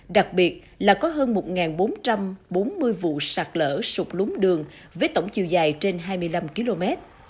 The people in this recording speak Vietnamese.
đặc biệt là có hơn một bốn trăm bốn mươi vụ sạt lỡ sụp lúng đường với tổng chiều dài trên hai mươi năm km